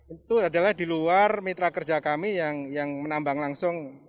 itu adalah di luar mitra kerja kami yang menambang langsung